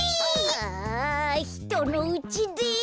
ああひとのうちで。